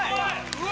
うわ！